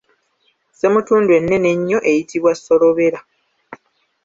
Ssemutundu ennene ennyo eyitibwa Solobera.